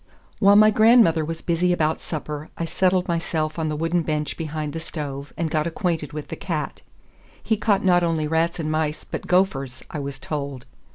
While my grandmother was busy about supper I settled myself on the wooden bench behind the stove and got acquainted with the cat—he caught not only rats and mice, but gophers, I was told.